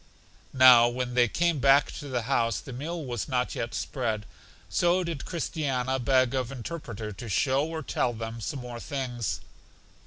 Now when they came back to the house the meal was not yet spread, so did Christiana beg of Interpreter to show or tell them some more things.